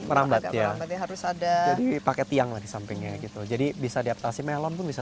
merambat ya harus ada jadi pakai tiang lagi sampingnya gitu jadi bisa adaptasi melon bisa